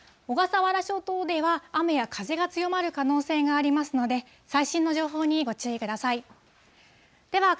小笠原諸島では、雨や風が強まる可能性がありますので、最新の情報にご注意ください。